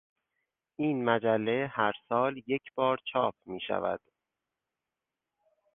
این مجله هر سال یک بار چاپ میشود.